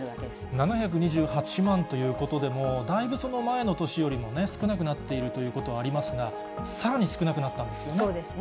７２８万ということでも、だいぶ、前の年よりも少なくなっているということはありますが、さらに少なくなったんですよね。